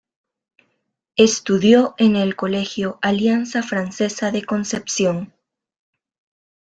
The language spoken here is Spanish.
Estudió en el colegio Alianza Francesa de Concepción.